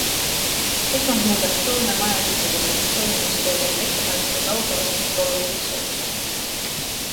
Esmalt muudaks Soome majandus- ja kommunikatsiooniministeeriumi ettepanekud auto ostmist oluliselt soodsamaks.